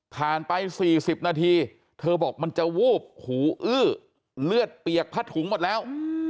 ไป๔๐นาทีเธอบอกมันจะวูบหูอื้อเลือดเปียกผ้าถุงหมดแล้ว